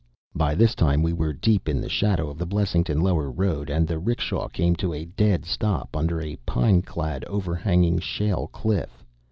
By this time we were deep in the shadow of the Blessington lower road and the 'rickshaw came to a dead stop under a pine clad, over hanging shale cliff.